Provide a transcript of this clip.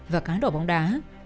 và cá đổ bóng đá